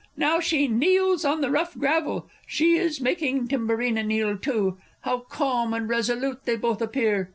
Now she kneels on the rough gravel; she is making Timburina kneel too! How calm and resolute they both appear!